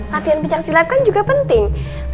latihan pencang silat kan juga penting